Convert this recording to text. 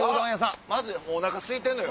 おなかすいてんのよ。